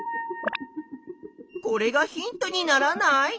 これがヒントにならない？